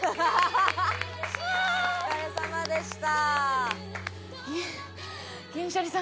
お疲れさまでした。